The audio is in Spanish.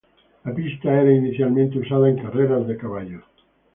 La pista era inicialmente usada en carreras de caballos.